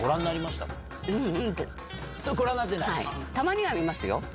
たまには見ますよ。